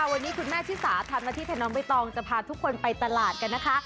วันนี้อาทิตย์สาธารณะที่แผนน้องบ๋ยตองจะพาทุกคนไปตลาดกันนะคะ